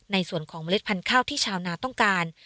เมล็ดพันธุ์ข้าวที่ชาวนาต้องการ